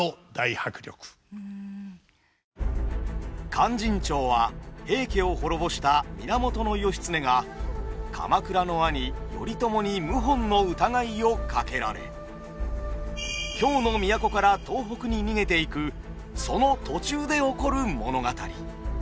「勧進帳」は平家を滅ぼした源義経が鎌倉の兄頼朝に謀反の疑いをかけられ京の都から東北に逃げていくその途中で起こる物語。